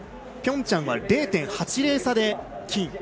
ピョンチャンは０．８０差で金。